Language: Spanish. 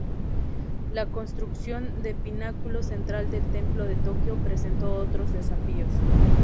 La construcción de pináculo central del templo de Tokio presentó otros desafíos.